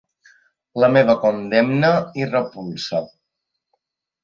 La meva condemna i repulsa.